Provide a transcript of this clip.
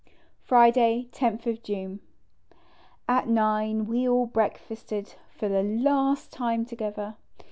... Friday, loth June. â At 9 we all breakfasted for the last time together!